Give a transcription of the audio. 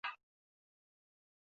伊予寒川站的铁路车站。